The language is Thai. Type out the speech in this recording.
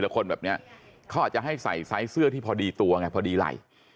เขาอาจจะให้ใส่เสื้อที่พอดีตัวพอดีไหล่